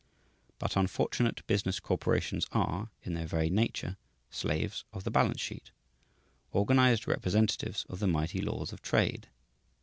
But unfortunate business corporations are, in their very nature, slaves of the balance sheet, organized representatives of the mighty laws of trade.